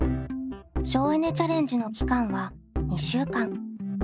省エネ・チャレンジの期間は２週間。